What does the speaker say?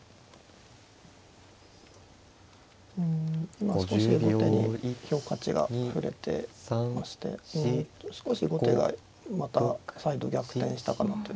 今少し後手に評価値が振れてまして少し後手がまた再度逆転したかなという感じがします。